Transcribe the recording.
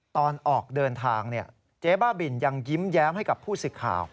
ตอนออกเดินทางเจ๊บ้าบินยังยิ้มแย้มให้กับผู้สิทธิ์ข่าว